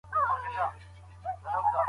ښځي د کومو عواملو له مخي ژر زړيږي؟